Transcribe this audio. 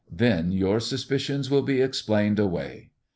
Then your suspicions will be explained away."